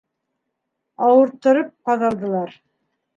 Ауырттырып ҡаҙалдылар.